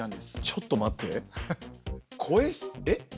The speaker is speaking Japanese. ちょっと待って。